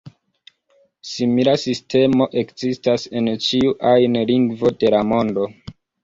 Simila sistemo ekzistas en ĉiu ajn lingvo de la mondo.